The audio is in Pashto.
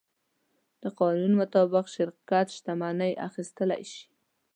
د قانون مطابق شرکت شتمنۍ اخیستلی شي.